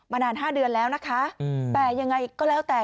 นาน๕เดือนแล้วนะคะแต่ยังไงก็แล้วแต่